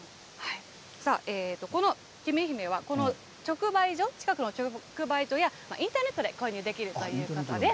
さあ、このきみひめは、この直売所、近くの直売所や、インターネットで購入できるということです。